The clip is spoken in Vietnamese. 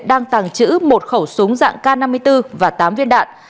đang tàng trữ một khẩu súng dạng k năm mươi bốn và tám viên đạn